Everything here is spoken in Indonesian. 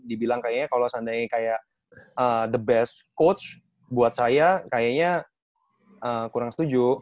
dibilang kayaknya kalau seandainya kayak the best coach buat saya kayaknya kurang setuju